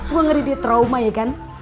gua ngeri dia trauma ya kan